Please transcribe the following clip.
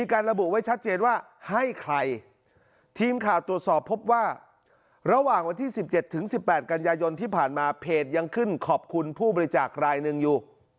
การระบุไว้ชัดเจนว่าให้ใครทีมข่าวตรวจสอบพบว่าระหว่างวันที่๑๗๑๘กันยายนที่ผ่านมาเพจยังขึ้นขอบคุณผู้บริจาครายหนึ่งอยู่